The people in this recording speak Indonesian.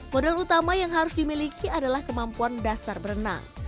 modal utama yang harus dimiliki adalah kemampuan dasar berenang